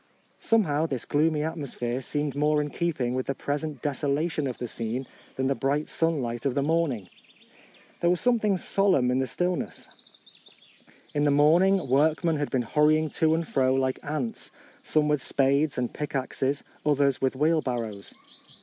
Somehow this gloomy atmosphere seemed more in keeping with the present deso lation of the scene than the bright sunlight of the morning. There was something solemn in the still ness. In the morning workmen had been hurrying to and fro like ants, some with spades and pick axes, others with wheelbarrows.